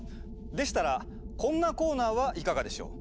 でしたらこんなコーナーはいかがでしょう？